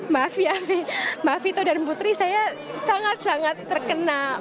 maaf ya maafi toh dan putri saya sangat sangat terkena